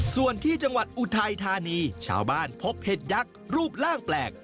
ส่วนที่จังหวัดอุทัยธานีชาวบ้านพบเห็ดยักษ์รูปร่างแปลก